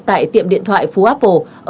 tại tiệm điện thoại phú apple